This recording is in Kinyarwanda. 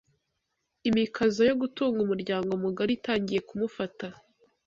Imikazo yo gutunga umuryango mugari itangiye kumufata.